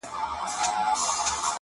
• نور به یې شنې پاڼي سمسوري نه وي,